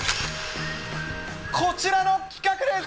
こちらの企画です。